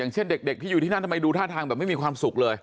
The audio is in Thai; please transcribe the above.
เช่นเด็กที่อยู่ที่นั่นทำไมดูท่าทางแบบไม่มีความสุขเลย